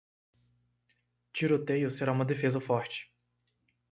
Tiroteio será uma defesa forte.